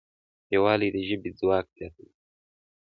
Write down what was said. یووالی د ژبې ځواک زیاتوي.